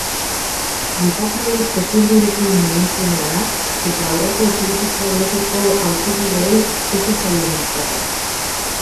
Gizakien hezurdurekin egin zuen lana eta aurreko etxebizitza blokeko auzokideei ez zitzaien gustatu.